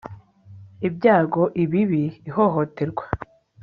Ibyago ibibi ihohoterwa